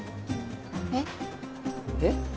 えっ？えっ？